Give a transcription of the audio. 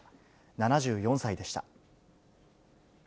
７４歳でした。